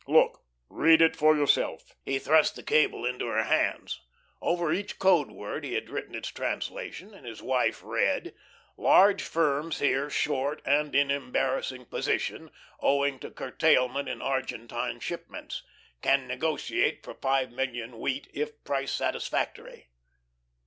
Look; read it for yourself." He thrust the cable into her hands. Over each code word he had written its translation, and his wife read: "Large firms here short and in embarrassing position, owing to curtailment in Argentine shipments. Can negotiate for five million wheat if price satisfactory."